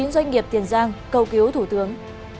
một mươi chín doanh nghiệp tiền giang cầu cứu thủ tướng